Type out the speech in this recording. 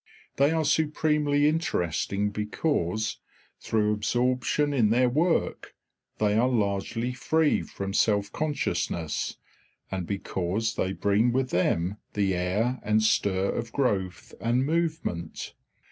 They are supremely interesting because, through absorption in their work, they are largely free from self consciousness, and because they bring with them the air and stir of growth and movement.